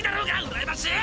羨ましい！